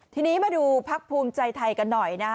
ทีนี้มาดูพักภูมิใจไทยกันหน่อยนะฮะ